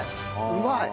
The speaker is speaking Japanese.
うまい。